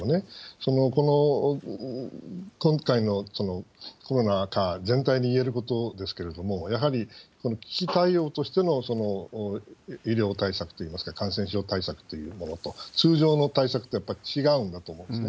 その今回のコロナ禍全体にいえることですけれども、やはり危機対応としての医療対策といいますか、感染症対策というものと、通常の対策とやっぱり違うんだと思うんですね。